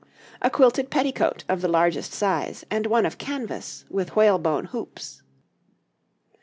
A quilted Petticoat of the largest size, and one of Canvas, with whalebone hoops.